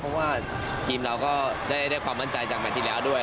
เพราะว่าทีมเราก็ได้ความมั่นใจจากแมทที่แล้วด้วย